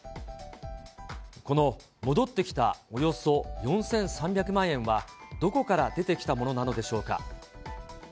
この戻ってきたおよそ４３００万円は、どこから出てきたものなのでしょうか。